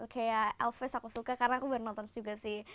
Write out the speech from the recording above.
kayak alves aku suka karena aku baru nonton juga sih